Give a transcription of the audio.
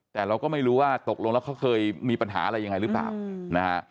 แต่เราก็ไม่รู้ว่าตกลงแล้วเขาเคยมีปัญหาอะไรยังไงหรือเปล่านะฮะ